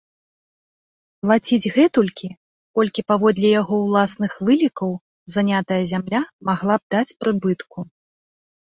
Плаціць гэтулькі, колькі, паводле яго ўласных вылікаў, занятая зямля магла б даць прыбытку.